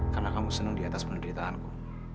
karena kamu seneng diatas penderitaanku